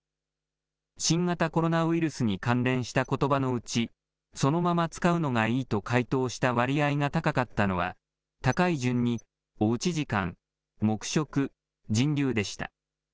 新型コロナウイルスに関連したことばのうち、そのまま使うのがいいと回答した割合が高かったのは、高い順に、おうち時間、黙食、人流でした。